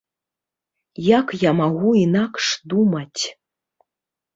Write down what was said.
Як я магу інакш думаць?